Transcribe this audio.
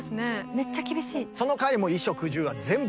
めっちゃ厳しい。